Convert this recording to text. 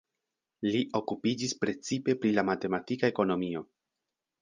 Li okupiĝis precipe pri la matematika ekonomio.